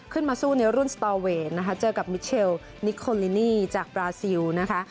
ขึ้นมาสู้ในรุ่นสตอเวทนะคะเจอกับมิเชลนิโคลินีจากบราซิลนะคะ